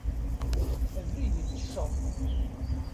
Abrid itecceḍ.